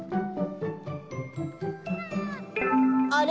あれ？